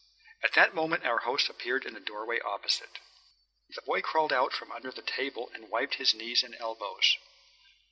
At that moment our host appeared in the doorway opposite. The boy crawled out from under the table and wiped his knees and elbows.